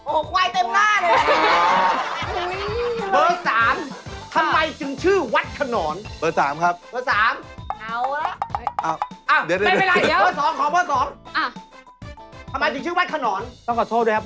โอ้ควายเต็มหน้าเลย